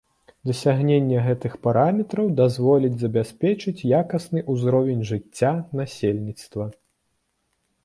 Дасягненне гэтых параметраў дазволіць забяспечыць якасны ўзровень жыцця насельніцтва.